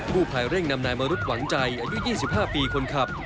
ผู้ภายเร่งนำนายมารุกหวังใจอายุยี่สิบห้าปีคนขับ